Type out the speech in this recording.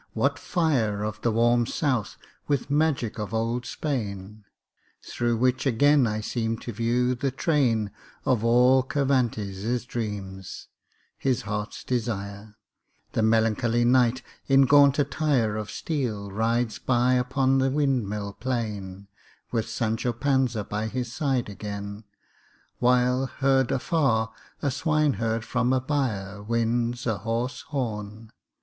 what fire Of the "warm South" with magic of old Spain! Through which again I seem to view the train Of all Cervantes' dreams, his heart's desire: The melancholy Knight, in gaunt attire Of steel rides by upon the windmill plain With Sancho Panza by his side again, While, heard afar, a swineherd from a byre Winds a hoarse horn.